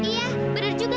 tapi kita harus mencari avril